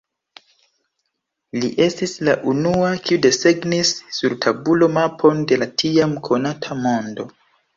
Li estis la unua, kiu desegnis sur tabulo mapon de la tiam konata mondo.